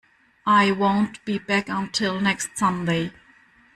I won't be back until next Sunday.